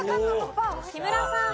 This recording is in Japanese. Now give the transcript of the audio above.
木村さん。